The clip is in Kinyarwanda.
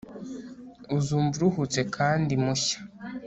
Uzumva uruhutse kandi mushya